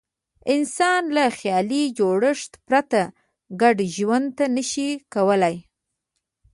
انسان له خیالي جوړښت پرته ګډ ژوند نه شي کولای.